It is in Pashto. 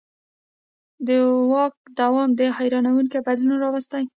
د واک دوام دا حیرانوونکی بدلون راوستی.